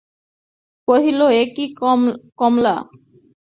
কহিল, একি কমলা!